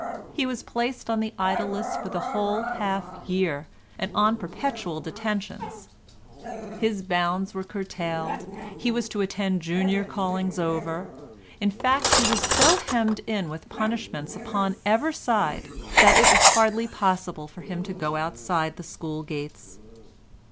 He was placed on the idle list for the whole half year, and on perpetual detentions; his bounds were curtailed; he was to attend junior callings over; in fact he was so hemmed in with punishments upon every side that it was hardly possible for him to go outside the school gates.